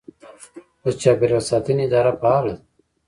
د چاپیریال ساتنې اداره فعاله ده.